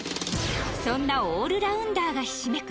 そんなオールラウンダーがひしめく